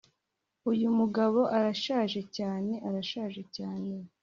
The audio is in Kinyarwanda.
Uyu mugabo arashaje cyane arashaje cyane